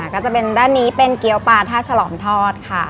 ก็จะเป็นด้านนี้เป็นเกี้ยวปลาท่าฉลอมทอดค่ะ